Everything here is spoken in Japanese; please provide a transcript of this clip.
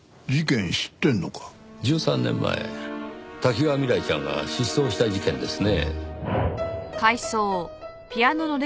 １３年前多岐川未来ちゃんが失踪した事件ですね。